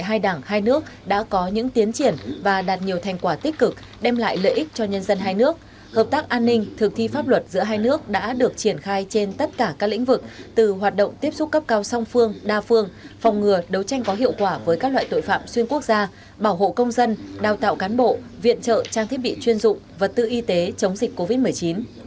hai nước đã được triển khai trên tất cả các lĩnh vực từ hoạt động tiếp xúc cấp cao song phương đa phương phòng ngừa đấu tranh có hiệu quả với các loại tội phạm xuyên quốc gia bảo hộ công dân đào tạo cán bộ viện trợ trang thiết bị chuyên dụng vật tư y tế chống dịch covid một mươi chín